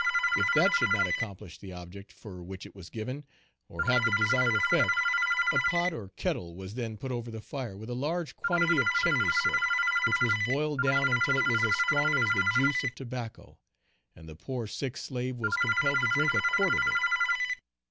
If that should not accomplish the object for which it was given, or have the desired effect, a pot or kettle was then put over the fire with a large quantity of chimney soot, which was boiled down until it was as strong as the juice of tobacco, and the poor sick slave was compelled to drink a quart of it.